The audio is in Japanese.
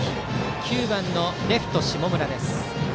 ９番のレフト、下村です。